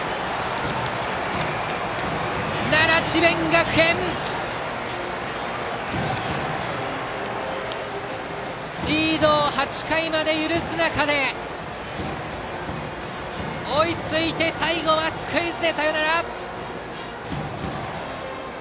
奈良・智弁学園リードを８回まで許す中で追いついて最後はスクイズでサヨナラ！